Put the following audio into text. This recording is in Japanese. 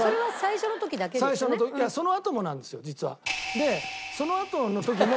でそのあとの時も。